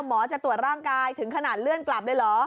หมอจะตรวจร่างกายถึงขนาดเลื่อนกลับเลยเหรอ